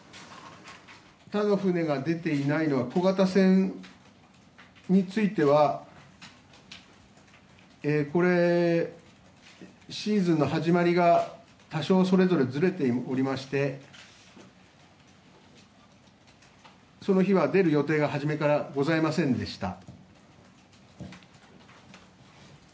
他の船が出ていないのは小型船についてはシーズンの始まりが多少それぞれずれていましてその日は出る予定が初めからございませんでした。